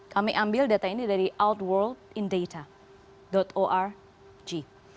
kami ambil data ini dari outworldindata org